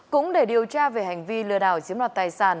cũng để điều tra về hành vi lừa đảo chiếm đoạt tài sản